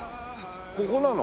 ここなの？